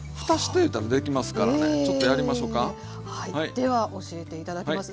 では教えて頂きます。